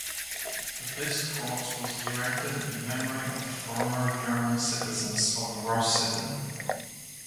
This cross was erected in memory of the former German citizens of Rossitten.